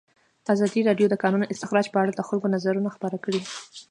ازادي راډیو د د کانونو استخراج په اړه د خلکو نظرونه خپاره کړي.